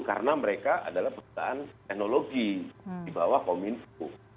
karena mereka adalah perusahaan teknologi di bawah komitu